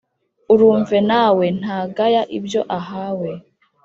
urumve na we ntagaya ibyo ahawe